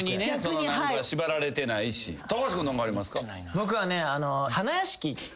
僕はね。